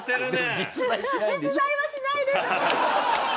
実在はしないです！